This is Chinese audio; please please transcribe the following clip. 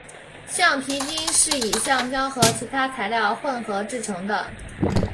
橡皮筋是以橡胶和其他材料混合制成的。